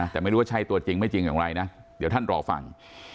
แต่ไม่รู้ว่าใช่ตัวจริงไม่จริงอย่างไรนะเดี๋ยวท่านรอฟัง